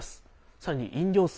さらに飲料水。